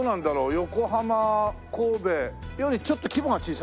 横浜神戸よりちょっと規模が小さいのかな。